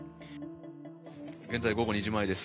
現在午後２時前です